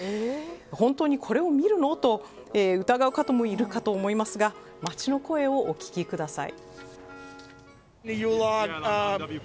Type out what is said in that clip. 本当にこれを見るの？と疑う方もいるかと思いますが街の声をお聞きください。